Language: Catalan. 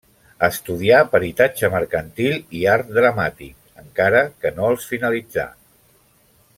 Estudià peritatge mercantil i art dramàtic, encara que no els finalitzà.